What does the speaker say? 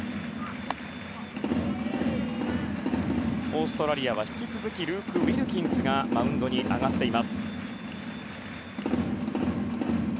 オーストラリアは引き続きウィルキンスがマウンドに上がっています。